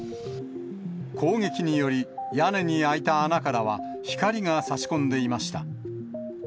攻撃により、屋根に開いた穴からは、光がさし込んでいました。